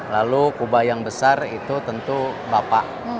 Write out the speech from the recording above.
lalu kuba yang besar itu tentu bapak